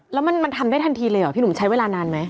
แล้วมันทำได้ทันทีเลยเหรอพี่หนุ่มใช้เวลานานไหม